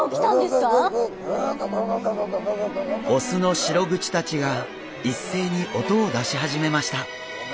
オスのシログチたちが一斉に音を出し始めました。